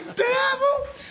もう。